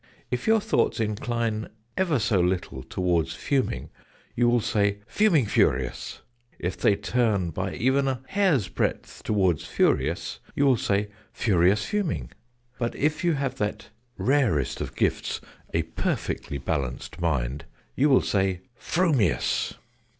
If your thoughts incline ever so little towards "fuming," you will say "fuming furious"; if they turn, by even a hair's breadth towards "furious," you will say "furious fuming"; but if you have that rarest of gifts, a perfectly balanced mind, you will say "frumious."